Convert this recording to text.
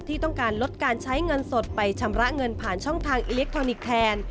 ที่ต้องการลดการใช้เงินสดไปชำระเงินผ่านช่องทางอิเล็กทรอนิกส์แทน